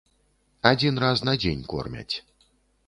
Адзін раз на дзень кормяць.